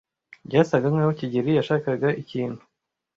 Byasaga nkaho kigeli yashakaga ikintu.